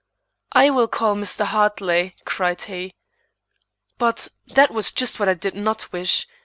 "I will call Mr. Hartley," cried he. But that was just what I did not wish.